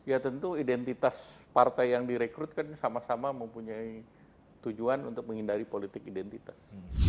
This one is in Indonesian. ya tentu identitas partai yang direkrut kan sama sama mempunyai tujuan untuk menghindari politik identitas